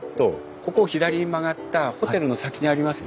ここを左に曲がったホテルの先にありますよ。